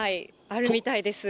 あるみたいです。